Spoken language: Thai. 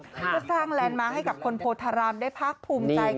จะสร้างแลนด์มาร์คให้กับคนโพธรรมได้พักภูมิใจกัน